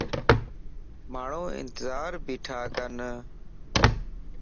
ماڻھون انتظار بيٺاڪن